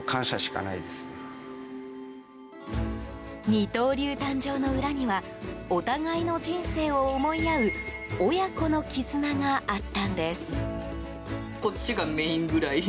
二刀流誕生の裏にはお互いの人生を思い合う親子の絆があったんです。